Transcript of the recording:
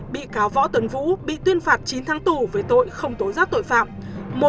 bị cáo võ tuấn vũ bị tuyên phạt chín tháng tù về tội không tối giác tội phạm